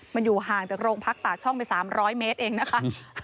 มันอยู่ห่างจากโรงพักปากช่องไป๓๐๐เมตรเองนะคะ